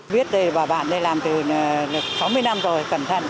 viết đây bà bạn đây làm từ sáu mươi năm rồi cẩn thận